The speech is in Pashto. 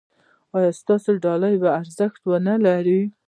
ایا ستاسو ډالۍ به ارزښت و نه لري؟